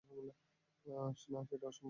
না, সেটা অসম্ভব!